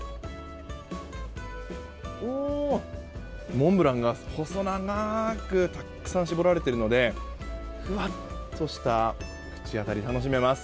モンブランが細長くたくさん絞られているのでふわっとした口当たりが楽しめます。